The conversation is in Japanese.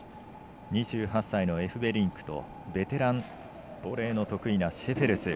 ２８歳のエフベリンクとベテラン、ボレーの得意なシェフェルス。